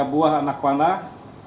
tiga buah anak panah